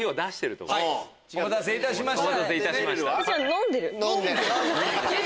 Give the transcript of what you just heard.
「お待たせいたしました」。